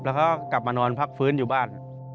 แล้วก็กลับมานอนพักฟื้นอยู่บ้าน